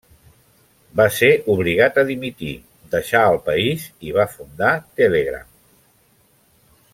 Va ser obligat a dimitir, deixar el país i va fundar Telegram.